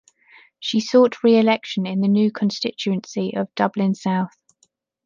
She sought re-election in the new constituency of Dublin South.